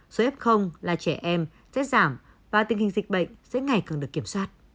số f là trẻ em sẽ giảm và tình hình dịch bệnh sẽ ngày càng được kiểm soát